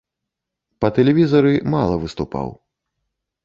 Па тэлевізары мала выступаў.